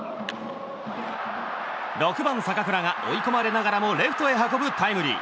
６番、坂倉が追い込まれながらもレフトへ運ぶタイムリー。